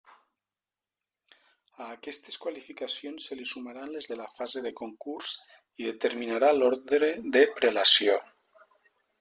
A aquestes qualificacions se li sumaran les de la fase de concurs i determinarà l'ordre de prelació.